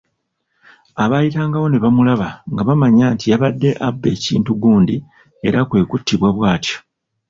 Abaayitangawo ne bamulaba nga bamanya nti yabadde abba ekintu gundi era kwe kuttibwa bw’atyo.